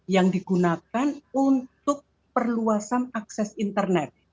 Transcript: yang digunakan untuk perluasan akses internet